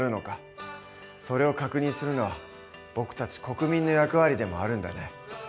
それを確認するのは僕たち国民の役割でもあるんだね。